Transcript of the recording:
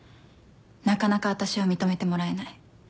なかなか私は認めてもらえない。